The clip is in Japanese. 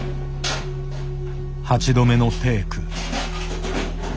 ８度目のテーク。